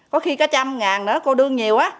có khi có một trăm linh ngàn nữa cô đương nhiều